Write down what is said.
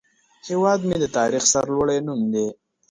هیواد مې د تاریخ سرلوړی نوم دی